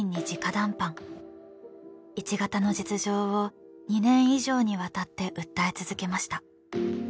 １型の実情を２年以上にわたって訴え続けました。